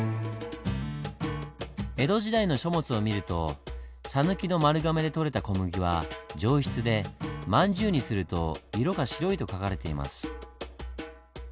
江戸時代の書物を見ると「讃岐の丸亀で取れた小麦は上質で饅頭にすると色が白い」と書かれています。